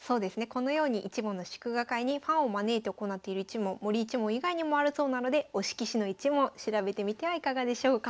このように一門の祝賀会にファンを招いて行っている一門森一門以外にもあるそうなので推し棋士の一門調べてみてはいかがでしょうか。